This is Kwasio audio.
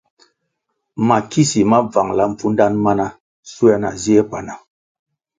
Mikisi ma bvangʼla mpfudanʼ mana shuē na zie panah.